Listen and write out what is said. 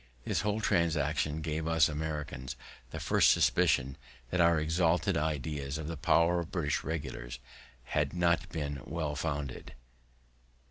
This whole transaction gave us Americans the first suspicion that our exalted ideas of the prowess of British regulars had not been well founded.